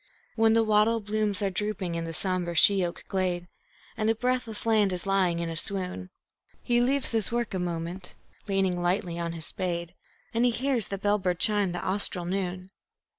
When the wattle blooms are drooping in the sombre she oak glade, And the breathless land is lying in a swoon, He leaves his work a moment, leaning lightly on his spade, And he hears the bell bird chime the Austral noon.